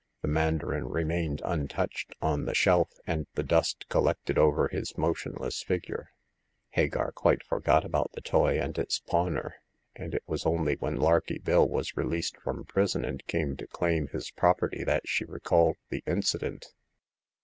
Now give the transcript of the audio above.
The mandarin remained untouched on the shelf, and the dust collected over his motionless figure. Hagar quite forgot about the toy and its pawner ; and it was only when Larky Bill was released from prison and came to claim his property that she recalled the incident.